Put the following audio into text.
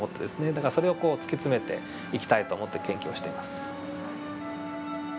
だからそれを突き詰めていきたいと思って研究をしています。